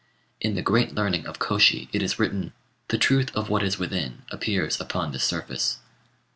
In the "Great Learning" of Kôshi it is written, "The truth of what is within appears upon the surface."